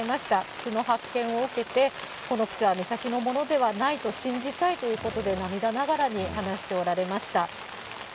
靴の発見を受けて、この靴は美咲のものではないと信じたいということで、涙ながらに話しておられました。